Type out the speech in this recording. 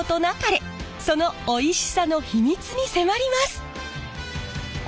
そのおいしさの秘密に迫ります！